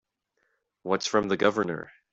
What's from the Governor?